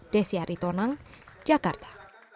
desyari tonang jakarta